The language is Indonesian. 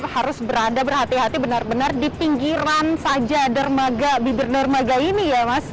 harus berada berhati hati benar benar di pinggiran saja dermaga bibir dermaga ini ya mas